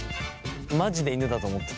マジで犬だと思ってた。